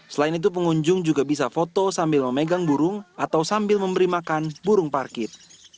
selain itu pengunjung juga bisa foto sambil memegang burung atau sambil memberi makan burung parkir